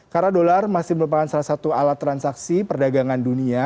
karena dolar masih merupakan salah satu alat transaksi perdagangan dunia